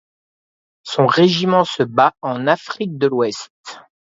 Son régiment se bat en Afrique de l'Ouest.